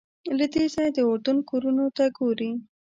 له دې ځایه د اردن کورونو ته ګورې.